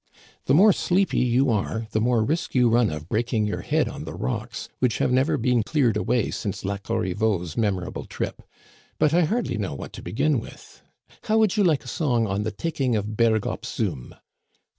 " The more sleepy you are the more risk you run of breaking your head on the rocks, which have never been cleared away since La Corri veau's memorable trip; but I hardly know what to begin with. How would you like a song on the taking of Berg op Zoom